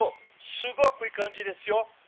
すごくいい感じですよ」。